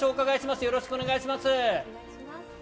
よろしくお願いします。